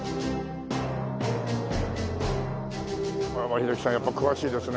英樹さんやっぱ詳しいですね。